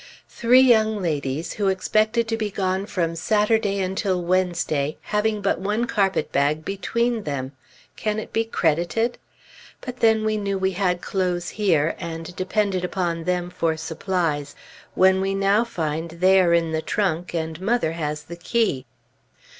Three young ladies, who expected to be gone from Saturday until Wednesday, having but one carpet bag between them! Can it be credited? But, then, we knew we had clothes here, and depended upon them for supplies, when we now find they are in the trunk and mother has the key.